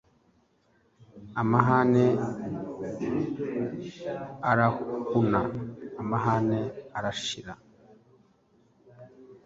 amahane arahuna: amahane arashira